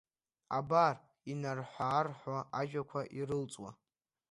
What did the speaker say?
Абар инарҳәаарҳәуа ажәақәа ирылҵуа…